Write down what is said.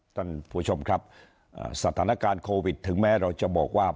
ท่านผู้ชมครับสถานการณ์โควิดถึงแม้เราจะบอกว่า